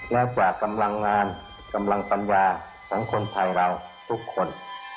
จากกำลังงานกำลังปัญญาสังคมไทยเราทุกคน